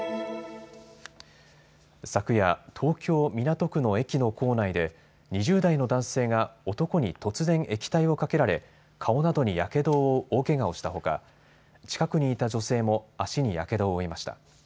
昨夜、東京港区の駅の構内で２０代の男性が男に突然液体をかけられ顔などにやけどを負う大けがをしたほか近くにいた女性も足にやけどを負いました。